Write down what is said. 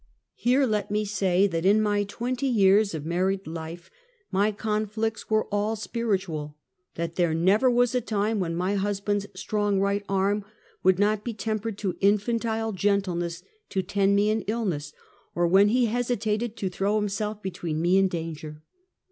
Here let me say, that in my twenty years of married life, my conflicts were all spiritual ; that there never was a time when my husband's strong right arm would not be tempered to infantile gentleness to tend me in illness, or when he hesitated to throw himself between me and danger.